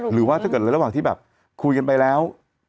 หรือว่าถ้าเกิดในระหว่างที่แบบคุยกันไปแล้ว